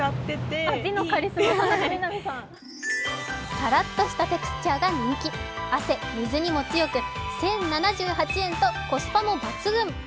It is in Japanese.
さらっとしたテクスチャーが人気、汗・水にも強く、１０７８円とコスパも抜群！